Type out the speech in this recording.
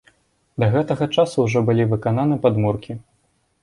Да гэтага часу ўжо былі выкананы падмуркі.